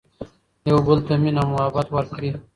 يو بل ته مينه محبت ور کړي